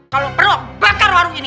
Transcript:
kalau perlu bakar warung ini